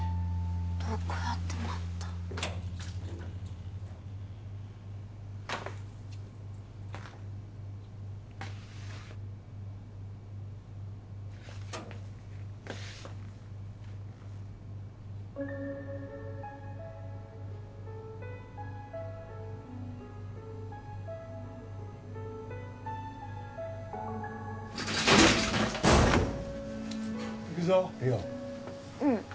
どこやってまった行くぞ梨央うん